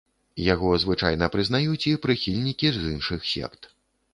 Яго звычайна прызнаюць і прыхільнікі з іншых сект.